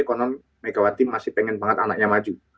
ekonomi megawati masih pengen banget anaknya maju